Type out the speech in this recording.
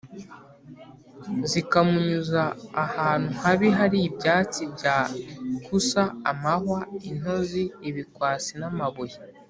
zikamunyuza ahantu habi hari [ibyatsi bya] kusa, amahwa, intozi, ibikwasi n’amabuye